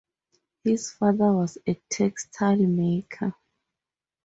His father was a textile maker.